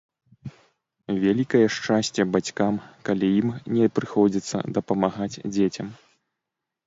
Вялікае шчасце бацькам, калі ім не прыходзіцца дапамагаць дзецям.